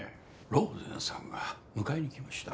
ローゼンさんが迎えに来ました。